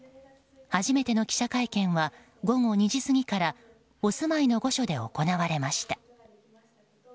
初めての記者会見は午後２時過ぎからお住まいの御所で行われました。